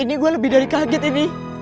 ini gue lebih dari kaget ini